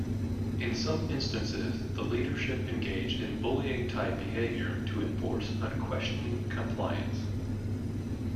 In some instances the leadership engaged in bullying-type behavior to enforce unquestioning compliance.